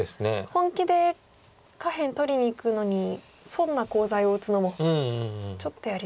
本気で下辺取りにいくのに損なコウ材を打つのもちょっとやりづらいですか。